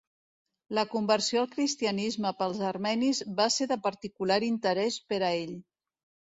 La conversió al cristianisme pels armenis va ser de particular interès per a ell.